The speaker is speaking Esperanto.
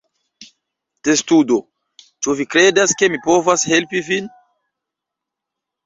Testudo: "Ĉu vi kredas ke mi povas helpi vin?"